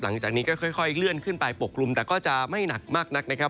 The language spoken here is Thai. หลังจากนี้ก็ค่อยเลื่อนขึ้นไปปกกลุ่มแต่ก็จะไม่หนักมากนักนะครับ